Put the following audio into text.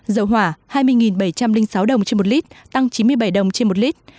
dầu hỏa hai mươi bảy trăm linh sáu đồng trên một lít tăng chín mươi bảy đồng trên một lít